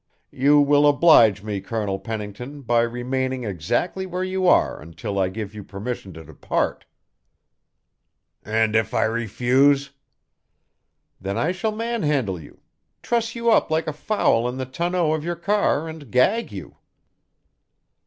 You will oblige me, Colonel Pennington, by remaining exactly where you are until I give you permission to depart." "And if I refuse " "Then I shall manhandle you, truss you up like a fowl in the tonneau of your car, and gag you."